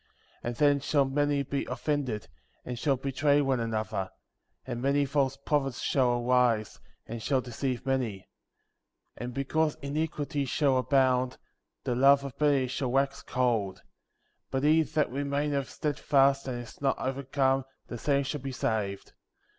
And then shall many be offended, and shall betray one another ; 9. And many false prophets shall arise, and shall deceive many; 10. And because iniquity shall abound, the love of many shall wax cold; 11. But he that remaineth steadfast and is not overcome, the same shall be saved.